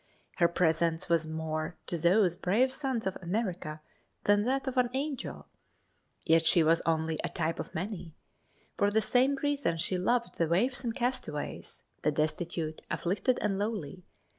Her presence was more to those brave sons of America than that of an angel. Yet she was only a type of many. For the same reason she loved the waifs and castaways, the destitute, afflicted and lowly.